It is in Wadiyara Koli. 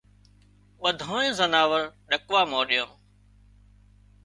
ٻڌانئي زناور ڏڪوا مانڏيا